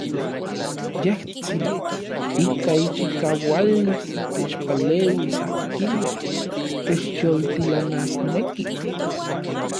Yejtsin ika ichikaualis techpaleuis akinmej techyoltilanasnekij.